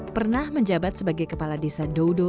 pernah menjabat sebagai kepala desa doudo